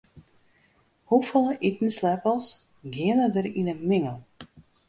Hoefolle itensleppels geane der yn in mingel?